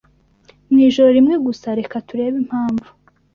mu ijoro rimwe gusa Reka turebe impamvu